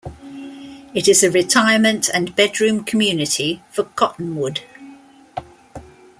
It is a retirement and bedroom community for Cottonwood.